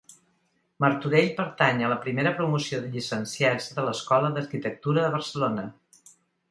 Martorell pertany a la primera promoció de llicenciats de l'Escola d'Arquitectura de Barcelona.